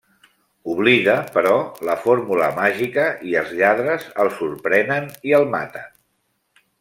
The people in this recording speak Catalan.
Oblida, però, la fórmula màgica i els lladres el sorprenen i el maten.